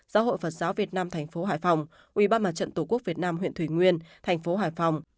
giáo hội phật giáo việt nam thành phố hải phòng ủy ban mặt trận tổ quốc việt nam huyện thủy nguyên thành phố hải phòng